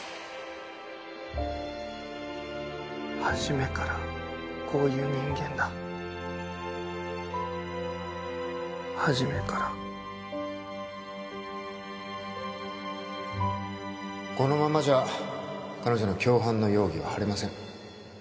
初めからこういう人間だ初めからこのままじゃ彼女の共犯の容疑は晴れません